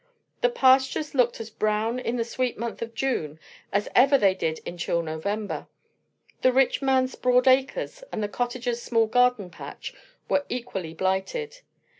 The pastures looked as brown in the sweet month of June as ever they did in chill November. The rich man's broad acres and the cottager's small garden patch were equally blighted.